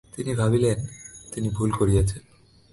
তিনি ভাবিলেন, তিনি ভুল করিয়াছেন।